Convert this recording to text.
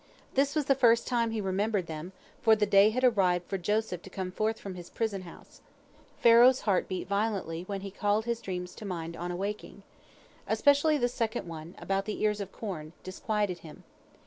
This was the first time he remembered them, for the day had arrived for Joseph to come forth from his prison house. Pharaoh's heart beat violently when he called his dreams to mind on awaking. Especially the second one, about the ears of corn, disquieted him.